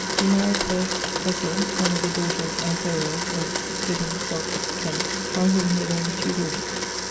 He maried first, Gresill, one of the daughters and co heires of ... Gibbons, of ... Kent, by whom he had only two daughters.